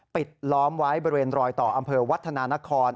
ปิดล้อมไว้บริเวณรอยต่ออำเภอวัฒนานคร